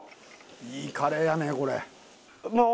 いいカレーやねこれ。